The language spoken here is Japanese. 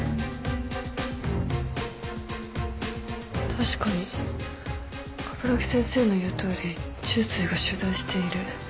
確かに鏑木先生の言うとおり虫垂が腫大している。